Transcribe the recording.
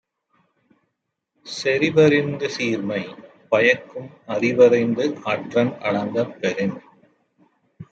செறிவறிந்து சீர்மை பயக்கும் அறிவறிந்து ஆற்றின் அடங்கப் பெறின்